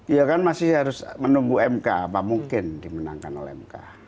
iya kan masih harus menunggu mk apa mungkin dimenangkan oleh mk